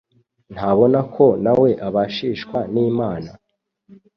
Ntabona ko nawe abashishwa n’Imana